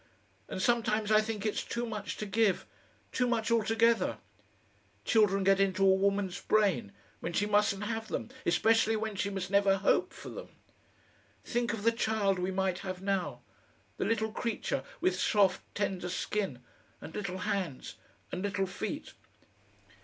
"And sometimes I think it's too much to give too much altogether.... Children get into a woman's brain when she mustn't have them, especially when she must never hope for them. Think of the child we might have now! the little creature with soft, tender skin, and little hands and little feet!